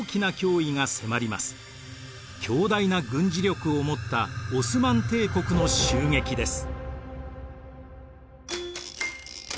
強大な軍事力を持ったオスマン帝国の襲撃です。